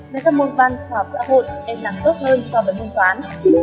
nên các môn văn hoặc xã hội em làm tốt hơn so với môn toán